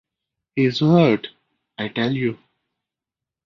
He's hurt, I tell you.